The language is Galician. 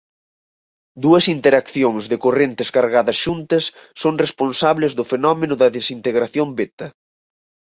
Dúas interaccións de correntes cargadas xuntas son responsables do fenómeno da desintegración beta.